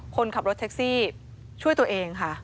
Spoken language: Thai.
คนขับรถแท็กซี่ช่วยตัวเองค่ะ